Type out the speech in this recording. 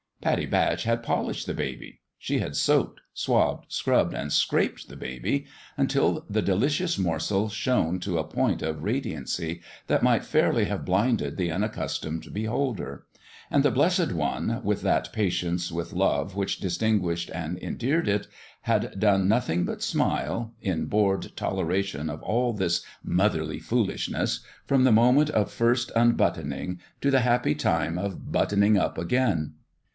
Pattie Batch had polished the baby she had soaked, swabbed, scrubbed and scraped the baby until the delicious morsel shone to a point of radiancy that might fairly have blinded the unaccustomed beholder; and the Blessed One, with that patience with love which dis tinguished and endeared it, had done noth ing but smile, in bored toleration of all this motherly foolishness, from the moment of first 172 A FATHER for The BABY unbuttoning to the happy time of buttoning up again.